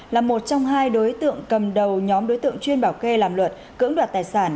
là một trong hai đối tượng cầm đầu nhóm đối tượng chuyên bảo kê làm luật cưỡng đoạt tài sản